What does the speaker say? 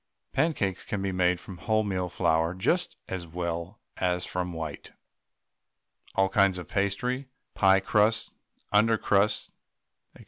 Pancakes can be made from wholemeal flour just as well as from white. All kinds of pastry, pie crusts, under crusts, &c.